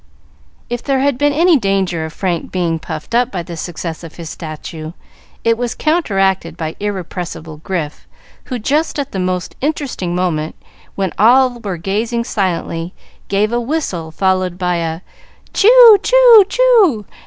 If there had been any danger of Frank being puffed up by the success of his statue, it was counteracted by irrepressible Grif, who, just at the most interesting moment, when all were gazing silently, gave a whistle, followed by a "Choo, choo, choo!"